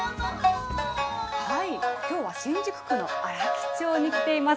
きょうは新宿区の荒木町に来ています。